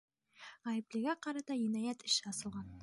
Ғәйеплегә ҡарата енәйәт эше асылған.